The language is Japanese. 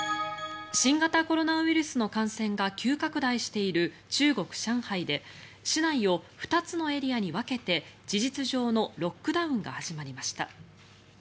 新型コロナウイルスの感染が急拡大している中国・上海で市内を２つのエリアに分けて事実上のロックダウンが始まりました。